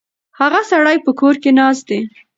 هغه سړی په کور کې ناست دی.